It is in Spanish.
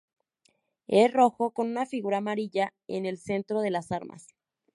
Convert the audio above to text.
Es rojo con una figura amarilla en el centro de las armas.